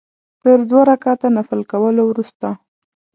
تر دوه رکعته نفل کولو وروسته.